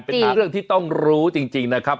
เป็นเรื่องที่ต้องรู้จริงนะครับ